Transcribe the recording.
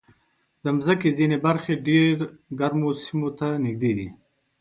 د مځکې ځینې برخې ډېر ګرمو سیمو ته نږدې دي.